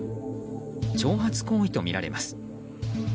挑発行為とみられます。